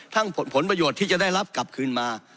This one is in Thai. ผลประโยชน์ที่จะได้รับกลับคืนมา